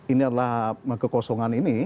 ini adalah kekosongan ini